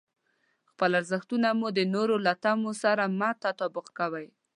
خپل ارزښتونه مو د نورو له تمو سره مه تطابق کوئ.